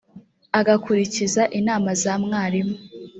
agakurikiza inama za mwarimu